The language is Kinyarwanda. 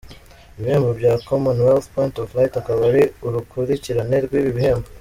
Ibihembo bya Commonwealth Point of Light akaba ari urukurikirane rw’ibi bihembo.